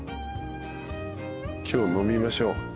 今日飲みましょう。